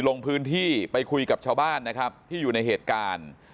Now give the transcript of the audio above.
ลงพื้นที่ไปคุยกับชาวบ้านนะครับที่อยู่ในเหตุการณ์